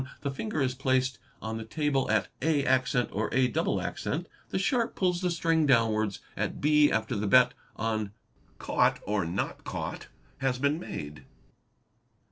The finger is placed on the table at @' or a', the sharp pulls the string downwards at 0 after the bet on " caught"' or "not caught" has been made.